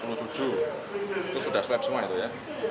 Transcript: itu sudah slab semua itu ya